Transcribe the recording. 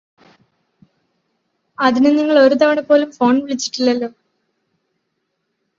അതിന് നിങ്ങള് ഒരുതവണ പോലും ഫോണ് വിളിച്ചിട്ടില്ലല്ലോ